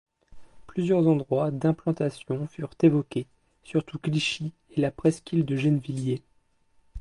Plusieurs endroits d’implantations furent évoqués surtout Clichy et la presqu’île de Gennevilliers.